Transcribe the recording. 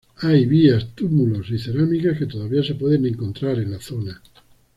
Hay vías, túmulos y cerámicas que todavía se pueden encontrar en la zona.